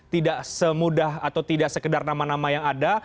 tidak semudah atau tidak sekedar nama nama yang ada